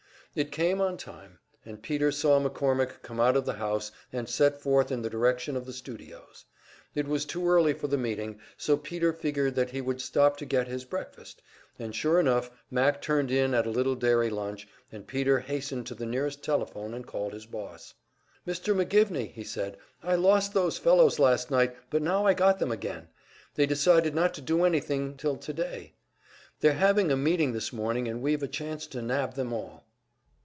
It came on time, and Peter saw McCormick come out of the house and set forth in the direction of the studios. It was too early for the meeting, so Peter figured that he would stop to get his breakfast; and sure enough "Mac" turned into, a little dairy lunch, and Peter hastened to the nearest telephone and called his boss. "Mr. McGivney," he said, "I lost those fellows last night, but now I got them again. They decided not to do anything till today. They're having a meeting this morning and we've a chance to nab them all."